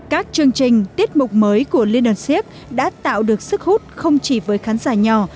các chương trình tiết mục mới của liên đoàn siếc đã tạo được sức hút không chỉ với khán giả nhỏ